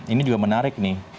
ini juga menarik nih